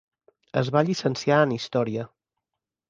Es va llicenciar en Història.